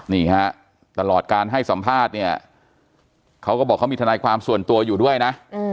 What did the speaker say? นี่ฮะตลอดการให้สัมภาษณ์เนี่ยเขาก็บอกเขามีทนายความส่วนตัวอยู่ด้วยนะ